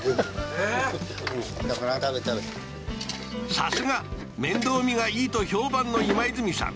さすが面倒見がいいと評判の今泉さん